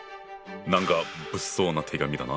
なんか物騒な手紙だな。